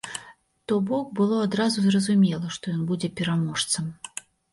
То бок было адразу зразумела, што ён будзе пераможцам.